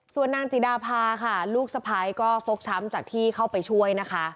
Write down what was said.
ส่วนนางจิดาพาค่ะลูกสะพ้ายก็ฟกช้ำจากที่เข้าไปช่วยนะคะ